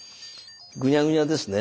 グニャグニャですね。